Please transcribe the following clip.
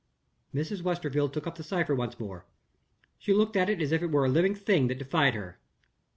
Mrs. Westerfield took up the cipher once more. She looked at it as if it were a living thing that defied her.